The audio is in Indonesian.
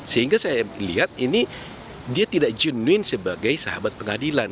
sehingga saya lihat ini dia tidak genuine sebagai sahabat pengadilan